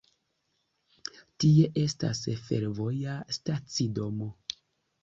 Tie estas fervoja stacidomo.